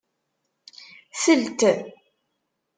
Telt.